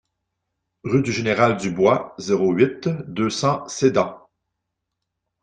Rue du Général Dubois, zéro huit, deux cents Sedan